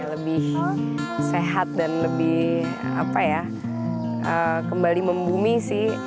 lebih sehat dan lebih kembali membumi sih